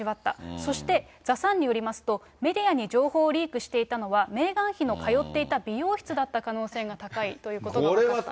そしてザ・サンによりますと、メディアに情報をリークしていたのは、メーガン妃の通っていた美容室だった可能性が高いということが分かったと。